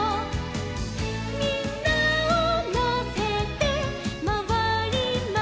「みんなをのせてまわりました」